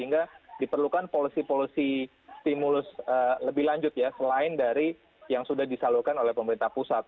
jadi diperlukan policy policy stimulus lebih lanjut ya selain dari yang sudah disalurkan oleh pemerintah pusat